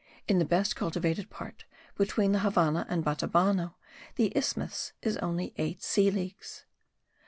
In the best cultivated part, between the Havannah and Batabano, the isthmus is only eight sea leagues.